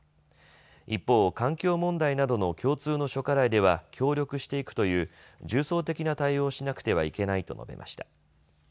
一方、環境問題などの共通の諸課題では協力していくという重層的な対応をしなくてはいけないと述べました。